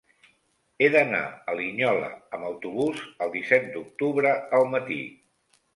He d'anar a Linyola amb autobús el disset d'octubre al matí.